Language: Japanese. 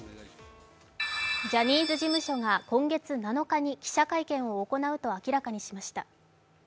ジャニーズ事務所が今月７日に記者会見を行うと明らかにしました。